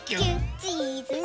「チーズね」